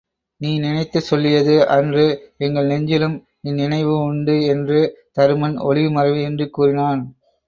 நீ நினைத்துச் சொல்லியது அன்று எங்கள் நெஞ்சிலும் இந்நினைவு உண்டு என்று தருமன் ஒளிவு மறைவு இன்றிக் கூறினான்.